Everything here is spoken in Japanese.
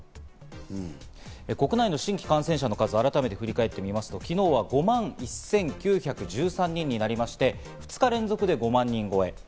国内の新規感染者の数を改めて振り返ってみますと昨日は５万１９１３人になりまして、２日連続で５万人超え。